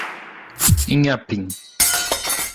Inhapim